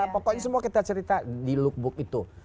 pokoknya semua kita cerita di lookbook itu